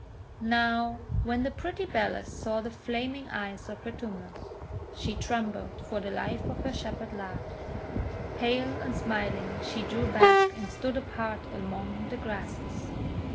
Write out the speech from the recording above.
Now, when the pretty Bellis saw the flaming eyes of Vertumnus, she trembled for the life of her Shepherd lad. Pale and smiling she drew back, and stood apart among the grasses.